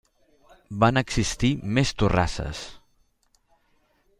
Van existir més torrasses.